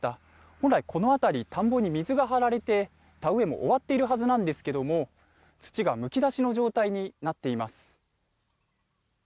本来この辺り田んぼに水が張られて田植えも終わっているはずなんですけれど土がむき出しの状態になっています。